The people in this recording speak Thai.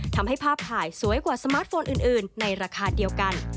ทำให้ภาพถ่ายสวยกว่าสมาร์ทโฟนอื่นในราคาเดียวกัน